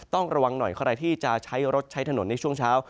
ต้องระวังหน่อยใครที่จะใช้รถใช้ถนนในช่วงเช้า